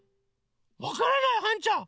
わからないはんちゃん！